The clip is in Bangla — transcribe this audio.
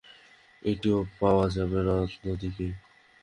এটিও পাওয়া যাবে, রত্নদ্বীপেই।